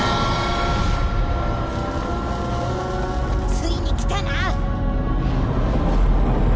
ついに来たな！